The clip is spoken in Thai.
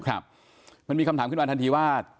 ครับมันมีคำถามขึ้นมาทันทีว่า